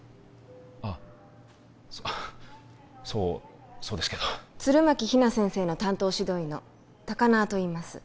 あっそうそうですけど弦巻比奈先生の担当指導医の高輪といいます